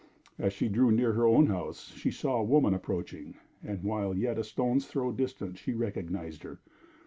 As she drew near her own house, she saw a woman approaching, and while yet a stone's throw distant she recognized her.